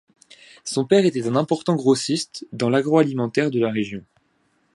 Son père était un important grossiste dans l'agroalimentaire de la région.